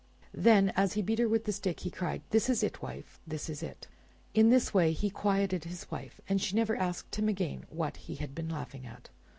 Then as he beat her with the stick he cried, "This is it, wife! This is it." In this way he quieted his wife, and she never asked him again what he had been laughing at.